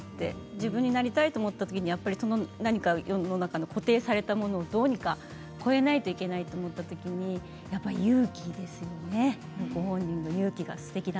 自分になりたいと思ったときに世の中の何か固定されたものを越えなきゃいけないと思ったときに勇気ですよね。